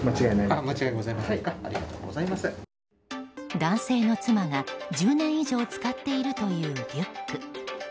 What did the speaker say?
男性の妻が１０年以上使っているというリュック。